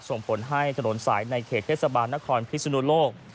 ส่งผลให้ถนนสายในเขตเทศบาลนครพิศนุโลก